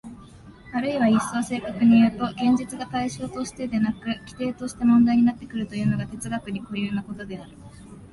あるいは一層正確にいうと、現実が対象としてでなく基底として問題になってくるというのが哲学に固有なことである。